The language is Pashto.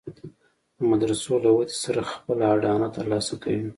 د مدرسو له ودې سره خپله اډانه تر لاسه کوي.